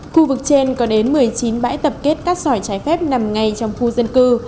khu vực trên có đến một mươi chín bãi tập kết cát sỏi trái phép nằm ngay trong khu dân cư